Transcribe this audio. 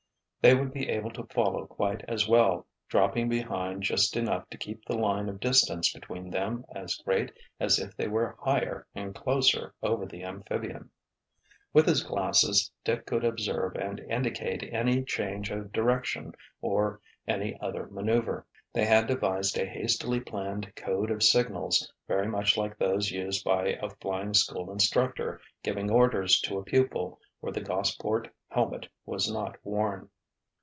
They would be able to follow quite as well, dropping behind just enough to keep the line of distance between them as great as if they were higher and closer over the amphibian. With his glasses, Dick could observe and indicate any change of direction or any other maneuver. They had devised a hastily planned code of signals, very much like those used by a flying school instructor giving orders to a pupil where the Gossport helmet was not worn.